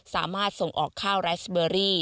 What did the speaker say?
สามารถส่งออกข้าวไรสเบอรี่